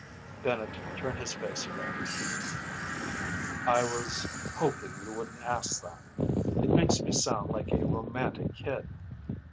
Bennett turned his face away. "I was hoping you wouldn't ask that. It makes me sound like a romantic kid."